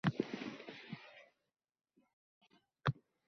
Ha, qanoat bir luqma, bir xirqa», deb yotib